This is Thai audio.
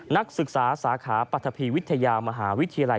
นักศึกษาสาขาปรัฐภีวิทยามหาวิทยาลัย